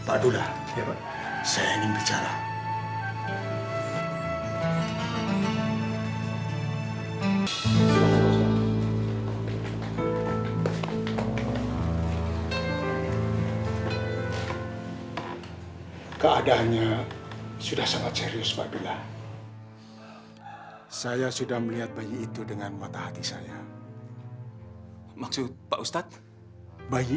aduh ter kernel wakeng kamu juga